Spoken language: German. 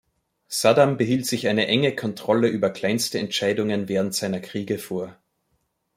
Saddam behielt sich eine enge Kontrolle über kleinste Entscheidungen während seiner Kriege vor.